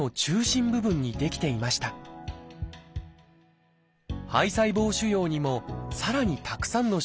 胚細胞腫瘍にもさらにたくさんの種類があります。